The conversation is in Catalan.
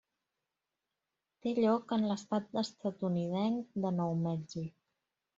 Té lloc en l'Estat estatunidenc de Nou Mèxic.